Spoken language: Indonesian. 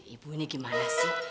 ibu ini gimana sih